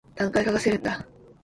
何回かかせるんだ